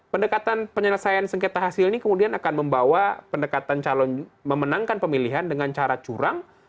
pendekatan penyelesaian sengketa hasil ini kemudian akan membawa pendekatan calon memenangkan pemilihan dengan cara curang